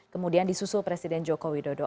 kemudian disusul presiden joko widodo